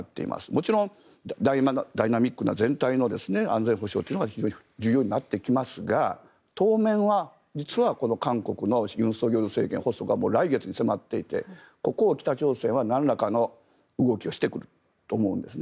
もちろんダイナミックな全体の安全保障というのが非常に重要になってきますが当面は実は韓国の尹錫悦政権の発足が来月に迫っていてここを北朝鮮はなんらかの動きをしてくると思うんです。